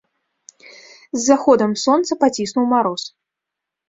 З заходам сонца паціснуў мароз.